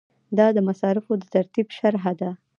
دا د مصارفو د ترتیب شرحه ده.